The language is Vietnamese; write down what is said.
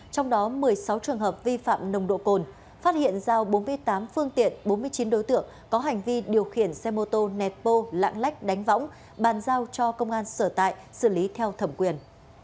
trong đó một mươi sáu trường hợp vi phạm nồng độ cồn phát hiện giao bốn mươi tám phương tiện bốn mươi chín đối tượng có hành vi điều khiển xe mô tô nẹt bô lạng lách đánh võng bàn giao cho công an sở tại xử lý theo thẩm quyền